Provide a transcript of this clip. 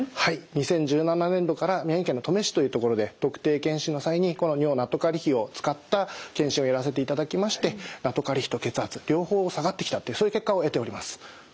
２０１７年度から宮城県の登米市という所で特定健診の際にこの尿ナトカリ比を使った健診をやらせていただきましてナトカリ比と血圧両方下がってきたというそういう結果を得ております。